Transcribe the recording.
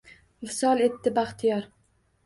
Visol etdi baxtiyor.